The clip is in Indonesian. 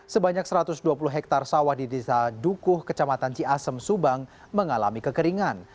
sebanyak satu ratus dua puluh hektare sawah di desa dukuh kecamatan ciasem subang mengalami kekeringan